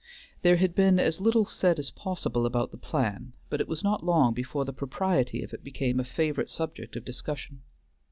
There had been as little said as possible about the plan, but it was not long before the propriety of it became a favorite subject of discussion.